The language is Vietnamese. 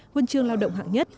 huân chương lao động hạng nhất